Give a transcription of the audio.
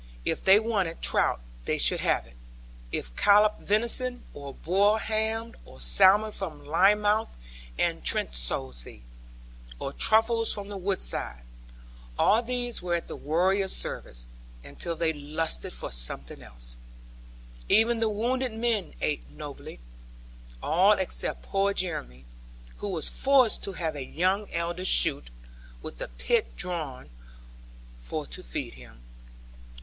If they wanted trout they should have it; if colloped venison, or broiled ham, or salmon from Lynmouth and Trentisoe, or truffles from the woodside, all these were at the warriors' service, until they lusted for something else. Even the wounded men ate nobly; all except poor Jeremy, who was forced to have a young elder shoot, with the pith drawn, for to feed him.